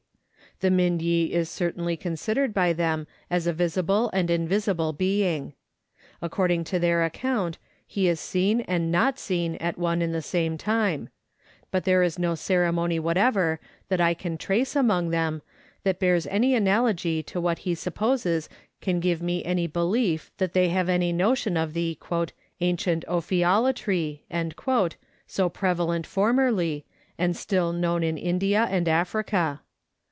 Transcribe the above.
The Miudye is certainly considered by them as a visible and invisible being. According to their account, he is seen and not seen at one and the same time ; but there is no ceremony whatever that I can trace among them that bears any analogy to what he supposes can give me any belief that they have any notion of the " Ancient Ophiolatry " so prevalent formerly, and still known in India and Africa.